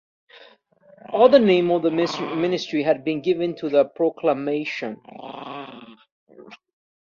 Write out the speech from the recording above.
All the name of ministry had given by the proclamation.